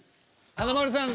華丸さん